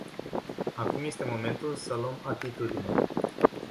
Acum este momentul să luăm atitudine.